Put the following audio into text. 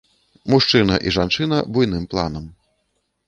Мужчына і жанчына буйным планам.